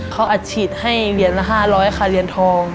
เขาอัดฉีดให้เย็นละ๕๐๐ค่ะเย็นทอง